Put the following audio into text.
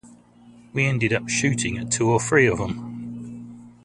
We ended up shooting at two or three of them.